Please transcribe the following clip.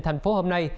thành phố hôm nay